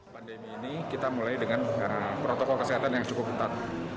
pandemi ini kita mulai dengan protokol kesehatan yang cukup ketat